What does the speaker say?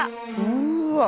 うわ！